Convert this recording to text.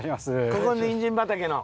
ここのにんじん畑の？